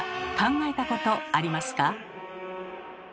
え？